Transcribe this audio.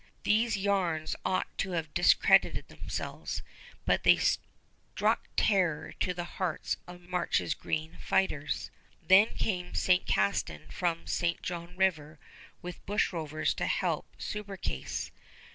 These yarns ought to have discredited themselves, but they struck terror to the hearts of March's green fighters. Then came St. Castin from St. John River with bushrovers to help Subercase.